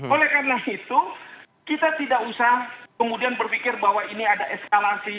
oleh karena itu kita tidak usah kemudian berpikir bahwa ini ada eskalasi